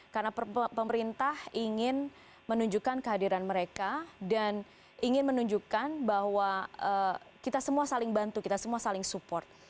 karena pemerintah ingin menunjukkan kehadiran mereka dan ingin menunjukkan bahwa kita semua saling bantu kita semua saling support